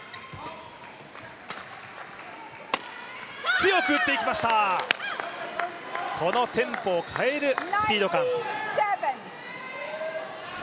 強く打っていきました、この店舗を変えるスピード感。